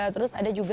terus ada juga